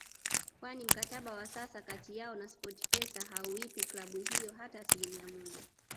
kwani mkataba wa sasa kati yao na Sportpesa hauipi klabu hiyo hata asilimia moja